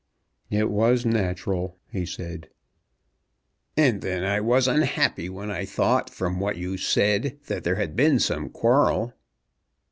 "It was natural," he said. "And then I was unhappy when I thought from what you said that there had been some quarrel."